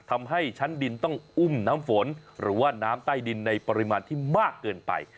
ทำให้ชั้นดินต้องอุ้มน้ำฝนหรือว่าน้ำใต้ดินในปริมาณที่มากเกินไป